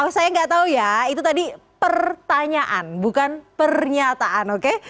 saya nggak tahu ya itu tadi pertanyaan bukan pernyataan oke